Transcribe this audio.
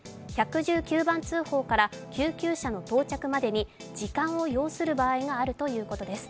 １１９番通報から救急車の到着までに時間を要する場合があるということです。